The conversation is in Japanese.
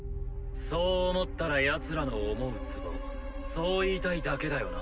そう思ったらヤツらの思うつぼそう言いたいだけだよな？